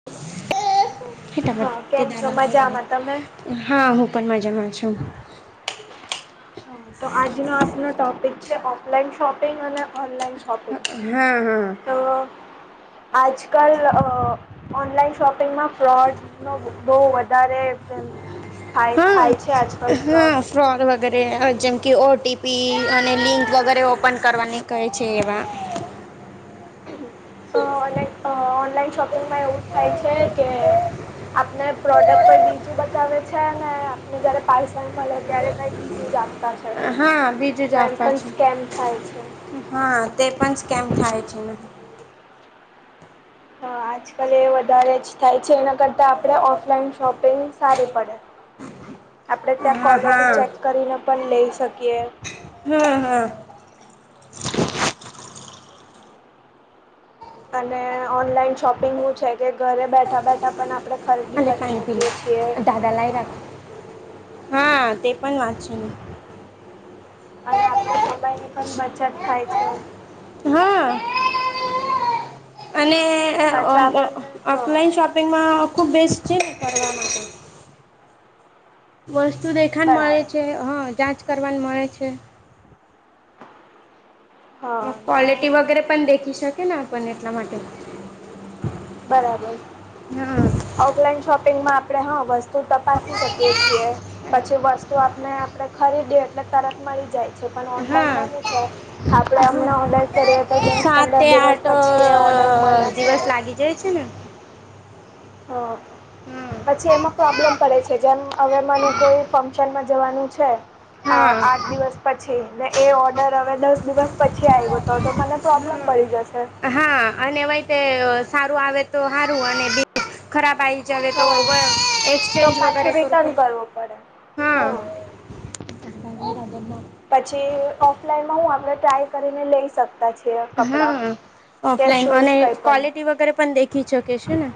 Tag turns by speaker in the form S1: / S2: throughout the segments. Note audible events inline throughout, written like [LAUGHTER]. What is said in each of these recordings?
S1: [UNINTELLIGIBLE]
S2: હા કેમ છો મજામાં તમે
S1: હા હું પણ મજામાં છું
S2: તો આજનો આપનો ટોપિક છે ઓફલાઈન શોપિંગ અને ઓનલાઈન શોપિંગ
S1: હા હા
S2: તો આજકાલ અ ઓનલાઈન શોપિંગમાં ફ્રોડ નો બો બહુ વધારે થાય થાય છે આજકાલ ફ્રોટ
S1: વગરે જેમ કે ઓ ટપી અને લિંક વગેરે ઓપન કરવાની કહે છે એવા
S2: અ અ ઓનલાઈન શોપિંગમાં એવું થાય છે કે આપને પ્રોડક્ટ કોઈ બીજું બતાવે છે ને આપને જયારે પાર્સલ મળે ત્યારે કઈ બીજું જ આપતા છે
S1: હા બીજું
S2: તો
S1: જ
S2: એમ
S1: આપવા
S2: પણ
S1: છે
S2: સ્કેમ થાય છે
S1: હા તે પણ કેમ થાય છે
S2: હા આજકાલ એ વધારે જ થાય છે એના કરતા આપણે ઓફલાઈન શોપિંગ સારી પડે આપડે ત્યાં
S1: હા હા
S2: ક્વલિટી ચેક કરીને પણ લઈ શકીએ
S1: હા હા
S2: અને ઓનલાઈન શોપિંગ હું છે કે ઘરે બેઠા બેઠા પણ આપણે ખરીદી
S1: અને
S2: કરી
S1: પાણી પીલો
S2: શકીએ છીએ
S1: દાદા લાઈ રાખે હા તે પણ વાત છે ને
S2: અને આપણી સમય ની પણ બચત થાય છે
S1: હા અને
S2: પાછા આપને હ
S1: ઓફલાઈન શોપિંગમાં ખૂબ બેસ્ટ છે કરવા માટે વસ્તુ દેખાને મળે
S2: બરાબર
S1: છે હા જાંચ કરવાની મળે છે
S2: હા ને
S1: ક્વોલિટી વગેરે પણ દેખી શકે ને આપણ એટલા માટે
S2: બરાબર
S1: હા
S2: ઓફલાઈન શોપિંગમાં આપડણે હા વસ્તુ તપાસી શકીએ છીએ પછી જે વસ્તુ આપને આપણે ખરીદીએ એટલે તરત મળી જાય છે પણ
S1: હા
S2: ઓનલાઈનમાં હુ છે આપડે અમને ઓર્ડર કરીએ તો દસ
S1: સાત
S2: પંદર
S1: તે
S2: દિવસ પછી એ ઓર્ડર મળે છે
S1: જ છે ને
S2: ઓ પછી એમાં પ્રોબ્લેમ પડે છે જેમ હવે મને કોઈ ફંક્શનમાં જવાનું છે આ
S1: હા
S2: આઠ દિવસ પછી પછી ને એ ઓર્ડર હવે દસ દિવસ પછી આવ્યો તો તો મને પ્રોબ્લેમ
S1: હા
S2: પડી જશે
S1: હા અને વય તે સારું આવે તો હારું અને બી ખરાબ આવી ચ તો
S2: હા તો
S1: એક્સચેન્જ
S2: પાછું
S1: વગેરે શ
S2: રિટર્ન કરવું પડે
S1: હા [INAUDIBLE] [UNINTELLIGIBLE]
S2: પછી ઓફલાઈનમાં હું આપણે ટ્રાય કરીને લઈ શકતા છીએ કપડા
S1: હા ઓફલાઈન અને ક્વોલિટી વગેરે પણ દેખી શકે છે, ને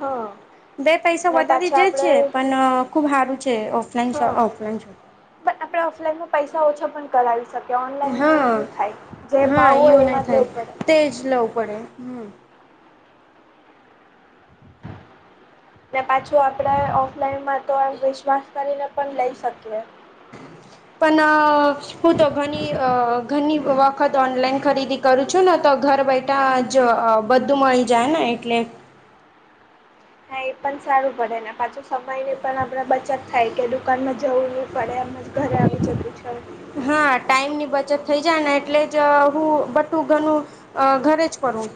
S2: હા
S1: બે પૈસા
S2: ને
S1: વધારી
S2: પાછા
S1: જ
S2: આપણે
S1: છે, પણ ખૂબ સારું છે, ઓફલાઈન શો
S2: હા
S1: ઓફલાઈન શોપ
S2: પણ આપણે ઓફલાઈન માં પૈસા ઓછા પણ કરાવી શકે ઓનલાઈનમાં એવું
S1: હા
S2: નહીં થાય જે ભાવ હોય, એમાં જ લવ પડે
S1: તેજ લવું પડે હમ
S2: ને પાછું આપણે ઓફલાઈનમાં તો, એમ વિશ્વાસ કરીને પણ લઈ શકીએ
S1: પણ હું તો ઘણી ઘણી વખત ઓનલાઈન ખરીદી કરું છું, ને તો ઘર બેઠ ટાં જ બધું મળી જાય ને એટલે
S2: હા એ પણ સારું પડે ને પાછું સમયની પણ, આપણે બચત થાય કે દુકાનમાં જવું પડે એમ જ ઘરે આવી જતું છે.
S1: હા ટાઈમ ની બચત થઇ જાય ને એટલે, જ હું બધું ઘણું અ ઘરે જ પડું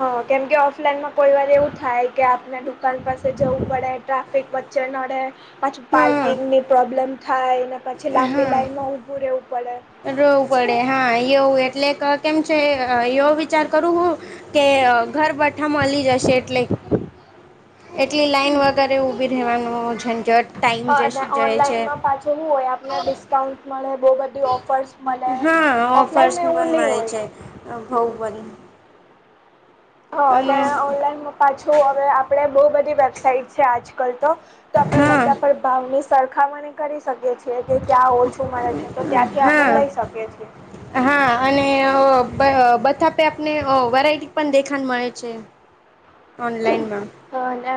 S2: હ કેમકે ઓફલાઈનમાં કોઈ વાર એવું થાય કે, આપણે દુકાન પાસે જવું પડે ટ્રાફિક જે નડે પાછું
S1: હા
S2: પાર્કિંગની પ્રોબ્લેમ થાય, ને પછી લાંબી લાઈનમાં ઊભું રહેવું પડે
S1: રવું પડે હા એવું એટલે કેમ છે, એવો વિચાર કરું હું કે ઘર બેઠા મળી જશે એટલે એટલી લાાઈન વગેરે ઊભી રહેવાનું ઝંઝટ ટાઈમ જશે
S2: અને
S1: જાય છે
S2: ઓનલાઈનમાં પાછો શું હોય, આપને ડિસ્કાઉન્ટ મળે બહ બધ ઓફર્સ મને ઓફલાઈન મેવની હોય
S1: ભહુબન
S2: હ અને ઓનલાઈન પાછું હવે આપણે બહુ બધી વેબસાઇટ છે, આજકાલ તો તો આપડે
S1: હા
S2: બધા પર ભાવની સરખામણી કરી શકીએ છીએ કે ક્યાં ઓછું મળે છે, તો ત્યાંથી આપણે
S1: હા
S2: લઈ શકીએ છીએ
S1: હા અને બથા પે આપને વેરાયટી પણ દેખાણ મળે છે. ઓનલાઈન
S2: હા ને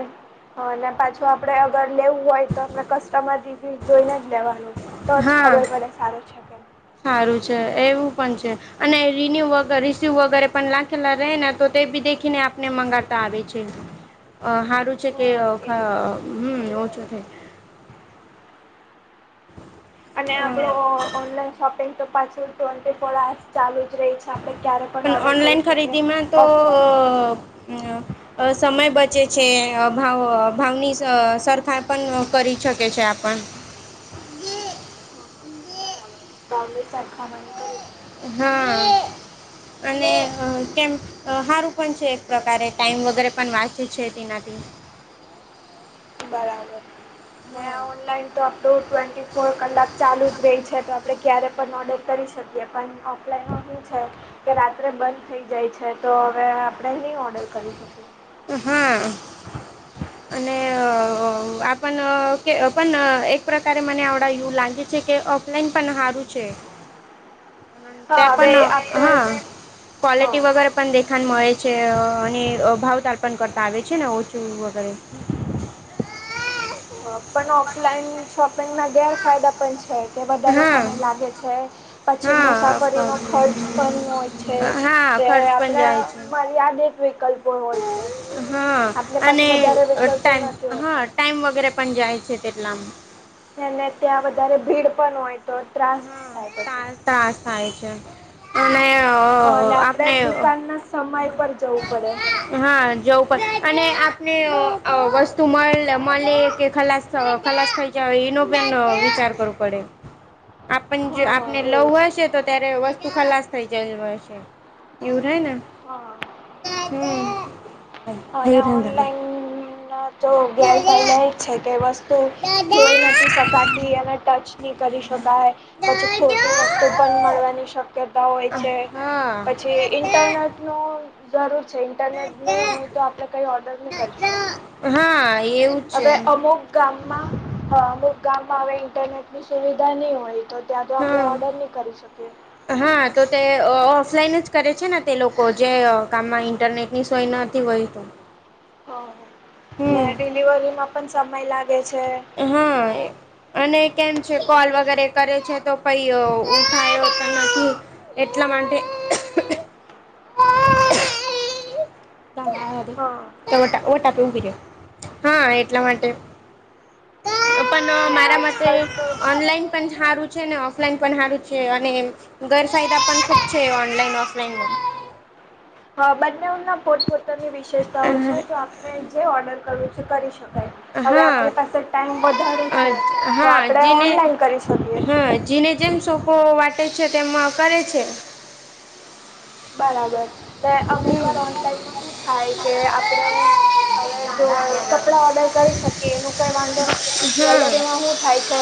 S2: હ ને પાછું આપડે અગર લેવું હોય તો અમને કસ્ટમર રિવ્યસ જોઈને જ લેવાનું, તો જ
S1: હા
S2: ખબર પડે સારું છે, કેમ
S1: સારું છે, એવું પણ છે. અને રિન્યુ રીસીવ વગેરે પણ લખેલા રહે ને તો તે બી દેખીને ને મંગાતા આવે છે, હારું છે, કે
S2: હા એ
S1: હમ ઓછું થાય
S2: અને
S1: થાય
S2: આપણો
S1: અ
S2: ઓનલાઈન શોપિંગ તો પાછું ત્રણન્ટ પશ ચાલુ જ રહી છે, આપણે ક્યારે પણ ઓર્ડર
S1: ઓનલાઈન
S2: કરી શકીએ
S1: ખરીદીમાં તો
S2: ઓફ
S1: સમય બચે છે. ભાવ ભાવની સરખા પણ કરી શકે છે, આપણ
S2: બરાબર ભાવલી શખાની કરી છે.
S1: હા અને કેમ સારું પણ છે. એક પ્રકારે ટાઈમ વગેરે પણ વાંચે છે, તેનાથી
S2: બરાબર મે
S1: હા
S2: ઓનલાઈન તો તો ટ્વેન્ટી ફોર કલાક ચાલુ જ રહી છે, તો આપણે ક્યારે પણ ઓર્ડર કરી શકીએ પણ ઓપલાઈનમાં શું છે? કે રાત્રે બંધ થઈ જાય છે, તો હવે આપણે નહીં ઓર્ડર કરી શકીએ
S1: હમ. અને આપ પણ એક પ્રકારે મને આવડા યુ લાગે છે, કે ઓફલાઈન પણ સારું છે.
S2: [UNINTELLIGIBLE] હા
S1: તે
S2: હવે
S1: પણ
S2: આપણે
S1: હા
S2: હા
S1: ક્વલિટી વગેરે પણ દેખાણ મળે છે અને ભાવ તારપણ કરતા આવે છે ને ઓછું વગેરે [UNINTELLIGIBLE]
S2: પણ ઓફલાઈન શોપિંગના ગેરફાયદા પણ છે કે વધારે
S1: હા
S2: સમય લાગે છે પછી
S1: હા
S2: મુસાફરીનો ખર્ચ પણ હોય છે
S1: હા
S2: તે
S1: ખર્ચ પણ
S2: આપણે
S1: જાય છે
S2: મરીયાદિક વૈિકલ્પ હોય છે
S1: હા
S2: આપણી પાસે
S1: અને
S2: વધારે વિકલ્પો
S1: ટાઈમ
S2: નથી હોતા
S1: હા ટાઈમ વગેરે પણ જાય છે તેટલા
S2: અને ત્યાં વધારે ભીડ પણ હોય તો ત્રાસ થાય પછી
S1: હા ત્રાસ થાય છે અને
S2: હ અને આપડે
S1: આપણે
S2: દુકાન ના સમય પર જવું પડે
S1: હા જવું પડે અને આપને અ વસ્તુ મળ મળેયે કે ખલાસ ખલાસ થઈ છે એનો બે વિચાર કરવું પડે આપણ જો
S2: હા
S1: આપણે
S2: એજ
S1: લવું હશે તો ત્યારે વસ્તુ ખલાસ થઈ જય રહે સે એવું રહે ને
S2: હા
S1: હમ.
S2: અને ઓનલાઈન તો ગેરફાયદા એ છે કે વસ્તુ જોઈ નથી શકાતી એને ટચ ની કરી શકાય પછી ખોટી વસ્તુ પણ મળવાની શક્યતા હોય છે
S1: હા
S2: પછી ઇન્ટરનેટ જરૂર છે ઇન્ટરનેટની હોય તો આપડણે કઈ ઓર્ડર નહી કરીશકીએ
S1: હા એવું છે
S2: હવે અમુક ગામમાં અમુક ગામમાં હવે ઇન્ટરનેટની સુવિધા નહી હોય તો ત્યાં તો આપણે
S1: હા
S2: ઓર્ડર નહીં કરી શકીએ
S1: હા તો તે ઓફલાઈન જ કરે છે ને તે લોકો જે કામમાં ઇન્ટરનેટ ની સોનય વહી તો
S2: હ ને
S1: હમ
S2: ડિલિવરીમાં પણ સમય લાગે છે
S1: હા અને કેમ છે કોલ વગેરે કરે છે તો પ ઉપ ઉઠાયે એવુ પણ નથી એટલા માટે [UNINTELLIGIBLE] [UNINTELLIGIBLE]
S2: હા
S1: હા એટલા માટે
S2: ને
S1: મારા માટે
S2: આજકાલ તો
S1: ઓનલાઈન પણ હારું છે ને ઓફલાઈન પણ હારું છે અને ઘર સાાયદા પણ ખૂબ છે ઓનલાઈન ઓફલાઈન
S2: હા બંનેના પોત પોતા ની વિશેષતાઓ છે તો આપણે જે ઓર્ડર કરવું છે એ કરી શકો હવે
S1: હા
S2: આપણી પાસે ટાઈમ વધારે છે તો
S1: હા
S2: આપડે ઓનલાઈન કરી શકીએ
S1: હા જેને જેમ સોંપો વાટે છે તેમ કરે છે
S2: બરાબર ને અમુક [UNINTELLIGIBLE]
S1: હમ્મ
S2: શું થાય કે આપણે હવે જો
S1: હા
S2: કપડા ઓર્ડર કરી શકીએ એનું કઈ વાંધો નથી પણ જ્વેલરીમાં હુ થાય છે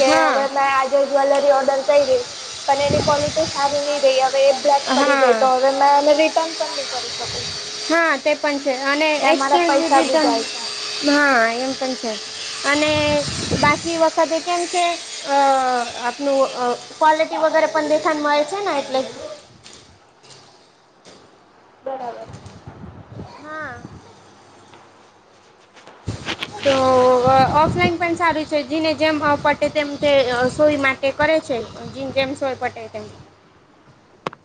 S2: કે
S1: હા
S2: હવે મે જ્વેલરી ઓર્ડર કરી રહી પણ એની ક્વોલિટી સારી નહી રહી હવે બ્લેક થયે ગયે
S1: હા
S2: તો હવે મે રિટર્ન પણ નહી કરી શકું
S1: હા તે પણ છે અને
S2: ને મારા
S1: એક્સચેન્જ
S2: પૈસા બી
S1: રિટર્ન
S2: જાય છે
S1: હા એમ પણ છે અને બાકી વખતે કેમ છે અ નું અ ક્વલિટી વગેરે પણ દેખાણ મળ આવે છે ને એટલે
S2: બરાબર
S1: હા તો ઓફલાઈન પણ સારું છે જેને જેમ પટે તેમ તે સોઈ માટે કરે છે. જીન જેમ સોયપાતે તેમ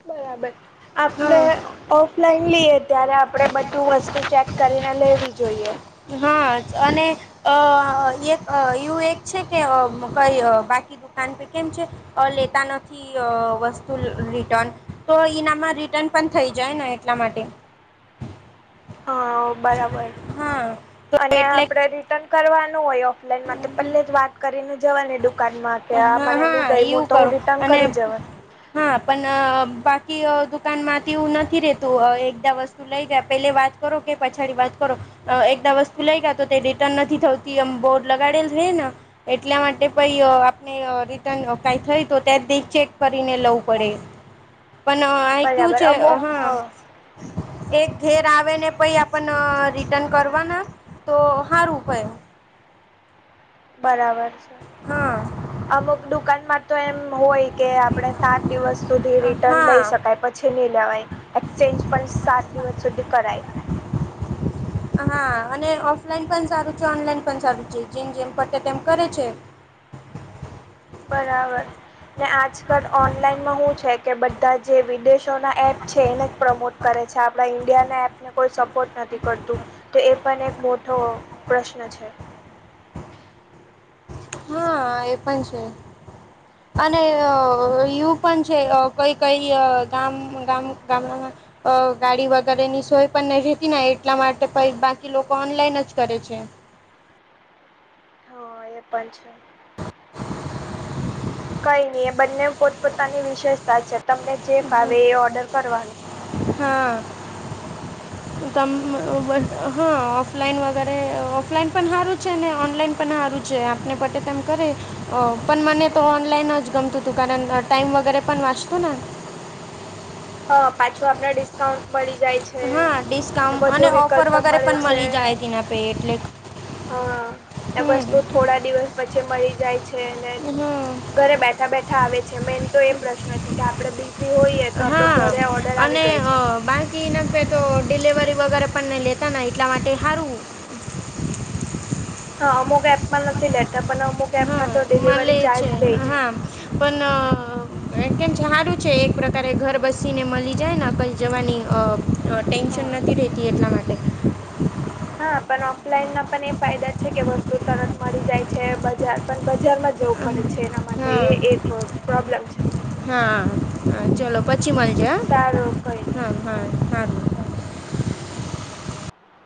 S2: બરાબર આપણે
S1: હા
S2: ઓફલાઈન લઈએ ત્યારે આપણે બધું વસ્તુ ચેક કરીને લેવી જોઈએ.
S1: હા જ અને આ એક આ એવું એક છે કે આ કઈ બાકી દુકાન પે કેમ છે આ લેતા નથી. થી આ વસ્તુ રિટન તો એનામાં રિટર્ન પણ થઈ જાય ને એટલા માટે.
S2: હો બરાબર
S1: હા તો
S2: અને
S1: એટલે
S2: આપડે રિટર્ન કરવાનું હોય આ લાઈનમાં તો પહેલે જ વાત કરી ને જવાની દુકાનમાં કે આ
S1: હા
S2: મને ની
S1: હા
S2: ગાયમું
S1: એવું
S2: તો હું
S1: કરું
S2: રિટર્ન
S1: અને
S2: કરી જવા.
S1: હા પણ બાકી આ દુકાનમાંથી એવું નથી રેતું આ એકદા વસ્ત તું લઈ જાય પેલે વાત કરો કે પછાડી વાત કરો. આ એકદા વસ્તુ લઈ ગયા તો તે રિટર્ન નથી થતી એમ બોર્ડ લગાડેલ રહેલન. એટલા માટે પાઈ આ ને રિટર્ન કઈ થઈ તો ત્યાં ચેક કરીને લવું પડે. પણ આ આઈ કેવું
S2: બરાબર
S1: છે
S2: અમુક હ
S1: હા એક ઘેર આવે ને પઈ આપણના રિટર્ન કરવાના. તો હારું હોય.
S2: બરાબર છે
S1: હા
S2: અમુક દુકાનમાં તો એમ હોય કે આપડે સાત દિવસ સુધી રિટર્ન લઈ
S1: હા
S2: શકાય પછી નહીં લેવાય. એક્સચેન્જ પણ સાત દિવસ સુધી કરાય.
S1: હા અને ઓફલાઈન પણ સારું છે ઓનલાઈન પણ સારું છે જેમ જેમ પતે તેમ કરે છે.
S2: બરાબર ને આજકાલ ઓનલાઈનમાં હું છે કે બધા જે વિદેશ નો ન એપ છે એને જ પ્રમોટ કરે છે આપણા ઈન્ડિયાના એપને કોઈ સપોર્ટ નથી કરતું. તો એ પણ એક મોટો પ્રશ્ન છે.
S1: હા એ પણ છે.
S2: [INAUDIBLE]
S1: અને યુ પણ છે આ કઈ કઈ આ ગામ ગામ ગામડામાં અ ગાડી વગેરેની સોય પણ નહી રહેતી ને એટલા માટે બાકી લોકો ઓનલાઈન જ કરે છે.
S2: હા એ પણ છે. કઈ નઈ એ બંને પોતપોતાની વિશેષતા છે તમને જે ફાવે એ ઓર્ડર કરવાનો.
S1: હા.
S2: [INAUDIBLE]
S1: તમ આ વા હા ઓફલાઈન વગેરે ઓફલાઈન પણ હારુ છે ને ઓનલાઈન પણ હારુ છે આપને પટે તેમ કરે આ પણ મને તો ઓનલાઈન જ ગમતું હતું કારણ ટાઈમ વગેરે પણ વાંચતું ને.
S2: હા પાછું આપડે ડિસ્કાઉન્ટ મળી જાય છે.
S1: હા ડિસ્કાઉન્ટ
S2: વધુ
S1: અને ઓફર
S2: વિકલ્પો
S1: વગેરે
S2: મળે
S1: પણ
S2: છે
S1: મળી જાય તેના પે એટલે.
S2: હા ને
S1: હમ
S2: વસ્તુ થોડા દિવસ પછી મળી જાય. છે ને
S1: હમ
S2: ઘરે બેઠા બેઠા આવે છે મેન તો એ પ્રશ્ન છે કે આપણે બિઝી હોઈએ આપડો
S1: હા
S2: ઘરે ઓર્ડર આવી
S1: અને
S2: જાય છે.
S1: અ, બાકી નફે તો ડિલિવરી વગેરે પણ નહીં લેતા ને એટલા માટે હારુ.
S2: હા અમુક એપમાં નથી લેતા પણ અમુક એપમાં તો
S1: હા મળે
S2: ડિલિવરી ચાર્જ લે છે.
S1: હા પણ આ એમ કેમ છે હારુ છે એક પ્રકારે ઘર બસીને મળી જાયને કઈ જવાની આ અ ટેન્શન
S2: હા
S1: નથી રહેતી એટલા માટે.
S2: હા પણ ઓફલાઈન ના પણ એ ફાયદા છે કે વસ્તુ તરત મળી જાય છે બજાર પણ બજારમાં જવુ
S1: હા
S2: પડે છે એના માટે
S1: હા
S2: એ એ પ્રો પ્રોબલેમ છે.
S1: હા હા ચલો પછી મળજે
S2: સારું કંઈ
S1: હા
S2: નહીં
S1: હા હા હારુ.
S2: ચાલો